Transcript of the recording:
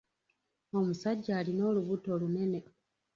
Omusajja alina olubuto olunene.